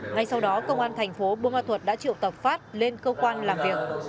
ngay sau đó công an tp bô ma thuật đã triệu tập phát lên cơ quan làm việc